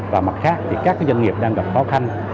và mặt khác thì các doanh nghiệp đang gặp khó khăn